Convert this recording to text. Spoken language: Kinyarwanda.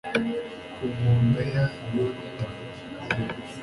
ku nkombe ya yorudani